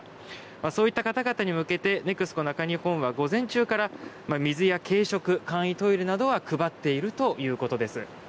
そういった方々に向けてＮＥＸＣＯ中日本は午前中から水や軽食簡易トイレなどは配っているそうです。